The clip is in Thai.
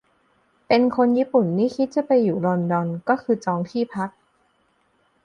เป็นคนญี่ปุ่นนี่คิดจะไปอยู่ลอนดอนก็คือจองที่พัก